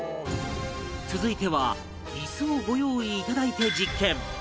続いてはイスをご用意いただいて実験